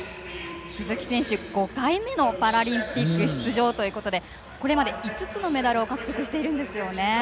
鈴木選手、５回目のパラリンピック出場ということでこれまで５つのメダルを獲得してるんですよね。